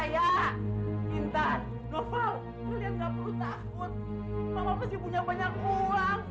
hai satu juta dua juta hahaha nggak perlu takut aku masih punya banyak uang